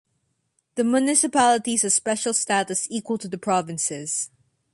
The municipalities have special status equal to the provinces.